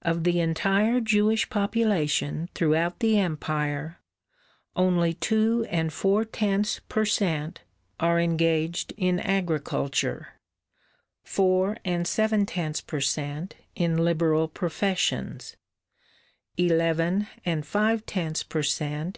Of the entire Jewish population throughout the Empire, only two and four tenths per cent. are engaged in agriculture, four and seven tenths per cent. in liberal professions, eleven and five tenths per cent.